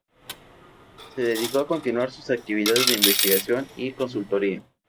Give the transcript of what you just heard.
Se dedicó a continuar sus actividades de investigación y consultoría.